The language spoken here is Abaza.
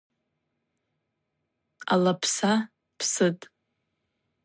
Аласпа псытӏ.